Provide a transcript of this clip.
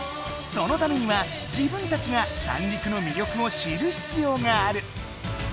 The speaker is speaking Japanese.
そのためには自分たちが三陸の魅力を知るひつようがある！